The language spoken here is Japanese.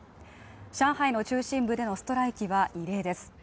上海の中心部でのストライキは異例です。